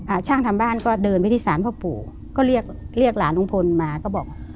ช่างทำบ้านก็เดินไปที่ศาลพ่อปู่ก็เรียกเรียกหลานลุงพลมาก็บอก